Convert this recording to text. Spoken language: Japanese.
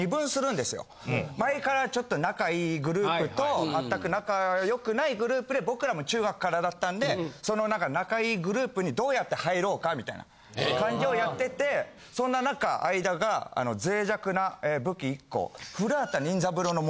前からちょっと仲いいグループと全く仲良くないグループで僕らも中学からだったんでそのなんか仲いいグループにどうやって入ろうかみたいな感じをやっててそんな中相田が脆弱な武器１個。